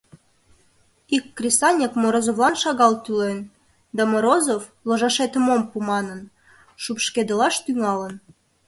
Ик кресаньык Морозовлан шагал тӱлен, да Морозов, «ложашетым ом пу» манын, шупшкедылаш тӱҥалын.